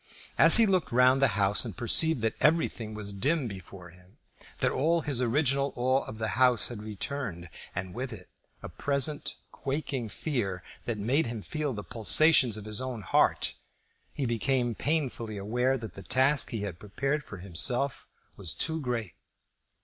As he looked round upon the House and perceived that everything was dim before him, that all his original awe of the House had returned, and with it a present quaking fear that made him feel the pulsations of his own heart, he became painfully aware that the task he had prepared for himself was too great.